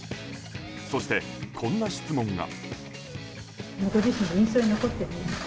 そして、こんな質問が。